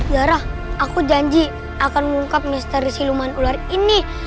zara aku janji akan mengungkap misteri siluman ular ini